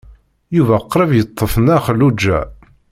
Yuba qrib yeṭṭef Nna Xelluǧa.